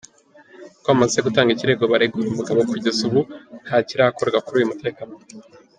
com ko bamaze gutanga ikirego barega uyu mugabo kugeza ubu ntakirakorwa kuri uyu mutekamutwe.